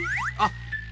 あっ！